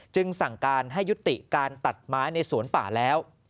สั่งการให้ยุติการตัดไม้ในสวนป่าแล้ว